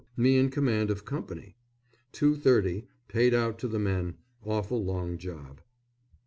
Me in command of company! Two thirty, paid out to the men. Awful long job.